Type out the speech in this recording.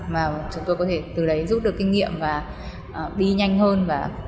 và chúng tôi có thể từ đấy giúp được kinh nghiệm và đi nhanh hơn